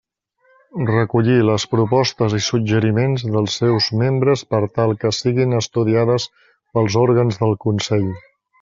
Recollir les propostes i suggeriments dels seus membres per tal que siguin estudiades pels òrgans del Consell.